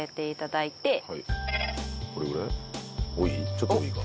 ちょっと多いか。